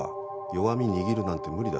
弱み握るなんて無理だ。